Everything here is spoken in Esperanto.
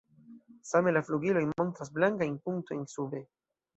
Same la flugiloj montras blankajn punktojn sube.